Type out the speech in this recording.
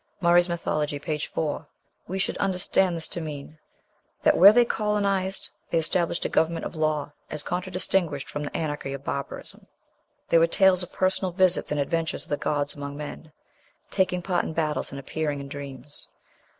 (Murray's "Mythology," p. 4.) We should understand this to mean that where they colonized they established a government of law, as contradistinguished from the anarchy of barbarism. "There were tales of personal visits and adventures of the gods among men, taking part in battles and appearing in dreams.